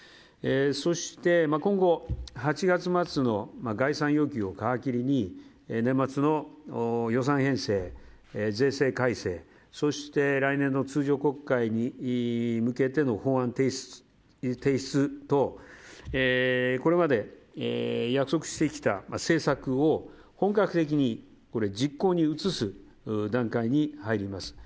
そして、今後８月末の概算要求を皮切りに年末の予算編成、税制改正そして来年の通常国会に向けての法案提出とこれまで約束してきた政策を本格的に実行に移す段階に入ります。